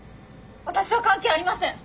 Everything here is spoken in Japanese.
私は関係ありません。